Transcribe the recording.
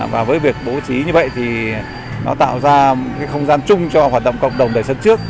và với việc bố trí như vậy thì nó tạo ra cái không gian chung cho hoạt động cộng đồng đời sống trước